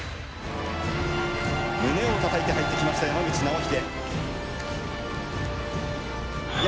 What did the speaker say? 胸をたたいて入ってきた山口尚秀。